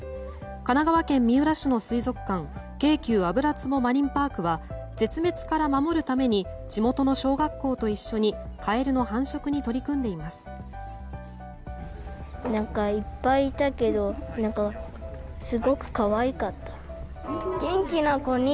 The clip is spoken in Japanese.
神奈川県三浦市の水族館京急油壺マリンパークは絶滅から守るために地元の小学校と一緒にカエルの繁殖に取り組んでいます。